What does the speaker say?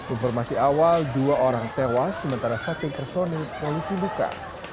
informasi awal dua orang tewas sementara satu personil polisi buka